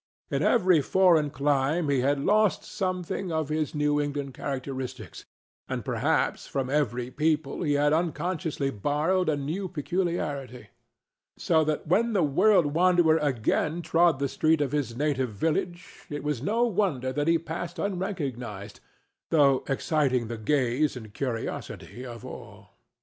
In every foreign clime he had lost something of his New England characteristics, and perhaps from every people he had unconsciously borrowed a new peculiarity; so that when the world wanderer again trod the street of his native village it is no wonder that he passed unrecognized, though exciting the gaze and curiosity of all.